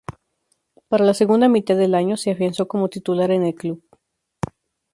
Para la segunda mitad del año, se afianzó como titular en el club.